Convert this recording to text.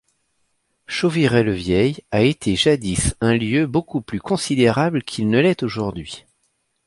Chauvirey-le-Vieil a été jadis un lieu beaucoup plus considérable qu'il ne l'est aujourd'hui.